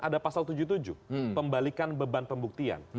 ada pasal tujuh puluh tujuh pembalikan beban pembuktian